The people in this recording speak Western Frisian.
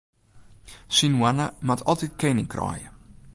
Syn hoanne moat altyd kening kraaie.